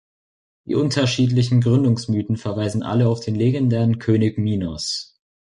Die unterschiedlichen Gründungsmythen verweisen alle auf den legendären König Minos.